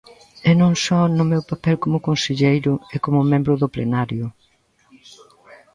E non só no meu papel como conselleiro e como membro do Plenario.